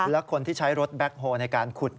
และคนที่ใช้รถแบ็คโฮลในการขุด